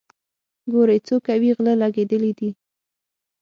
ګورئ څو کوئ غله لګېدلي دي.